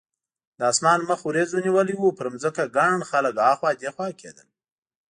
د اسمان مخ وریځو نیولی و، پر ځمکه ګڼ خلک اخوا دیخوا کېدل.